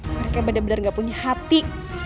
mereka benar benar gak punya hati